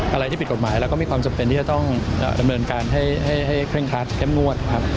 อะไรที่ผิดกฎหมายแล้วก็มีความจำเป็นที่จะต้องดำเนินการให้เคร่งครัดเข้มงวดครับ